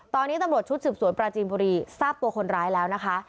ตอนนี้ตำรวจชุดสืบสวนปราจีนบุรีทราบตัวคนร้ายแล้วนะคะ